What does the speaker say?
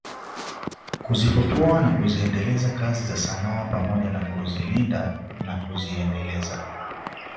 Kuzifufua na kuziendeleza kazi za sanaa pamoja na kulinda na kuziendeleza